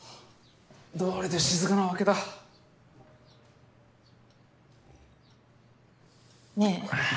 どおりで静かなわけだ。ねぇ。